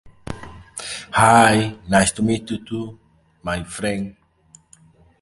En la crítica predominan diversas valoraciones.